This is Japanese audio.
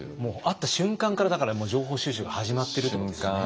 会った瞬間からもう情報収集が始まってるということですよね。